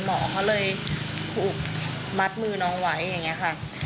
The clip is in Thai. หมอเขาเลยถูกมัดมือน้องไว้อย่างนี้ค่ะ